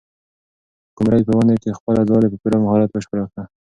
قمرۍ په ونې کې خپله ځالۍ په پوره مهارت بشپړه کړه.